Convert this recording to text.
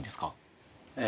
ええ。